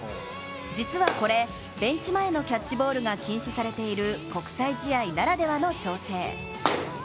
実はこれベンチ前のキャッチボールが禁止されている国際試合ならではの調整。